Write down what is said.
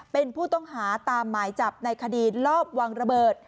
เป็นผู้ต้องหาตามหมายจับในคดีลอบวางระเบิด